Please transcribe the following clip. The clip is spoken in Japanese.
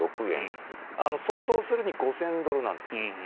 想像するに５０００ドルなんです。